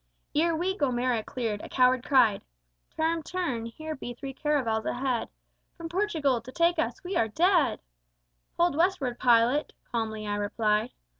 "Ere we Gomera cleared, a coward cried, Turn, turn: here be three caravels ahead, From Portugal, to take us: we are dead! Hold Westward, pilot, calmly I replied.